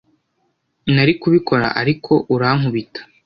Nari kubikora, ariko urankubita.